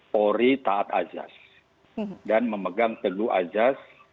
polri taat ajas dan memegang teguh ajas